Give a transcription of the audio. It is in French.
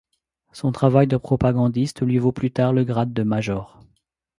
Son travail de propagandiste lui vaut plus tard le grade de major.